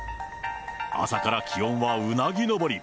朝から気温はうなぎ登り。